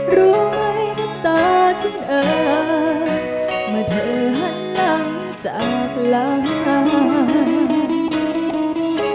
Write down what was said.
รู้ไหมน้ำตาฉันเอ่อมาเธอหันหลังจากหลัง